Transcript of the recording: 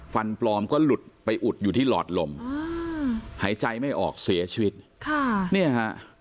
ฟันปลอมก็หลุดไปอุดอยู่ที่หลอดลมอ่าหายใจไม่ออกเสียชีวิตค่ะเนี่ยฮะ